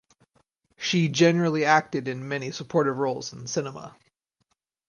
She generally acted in many supportive roles in cinema.